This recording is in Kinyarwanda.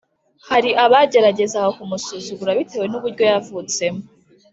Hari abageragezaga kumusuzugura bitewe n’uburyo yavutsemo